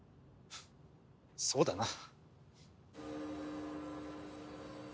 そうだな。